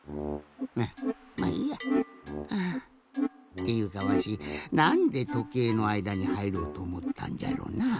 っていうかわしなんでとけいのあいだにはいろうとおもったんじゃろなあ？